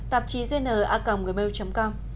tạp chí dn gmail com